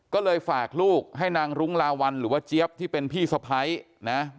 ก็เลยฝากลูกให้นางรุ้งลาวัลหรือว่าเจี๊ยบที่เป็นพี่สะพ้ายนะ